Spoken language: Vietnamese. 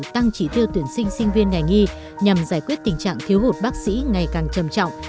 tăng trí tiêu tuyển sinh sinh viên ngành y nhằm giải quyết tình trạng thiếu hụt bác sĩ ngày càng trầm trọng